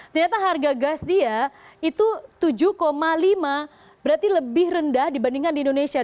ternyata harga gas dia itu tujuh lima berarti lebih rendah dibandingkan di indonesia